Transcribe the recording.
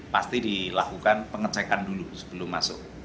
pasti dilakukan pengecekan dulu sebelum masuk